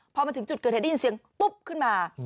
พอมันถึงจุดเกินแท็นดิน้ำเสี่ยงตุ๊บพึ่งขึ้นมา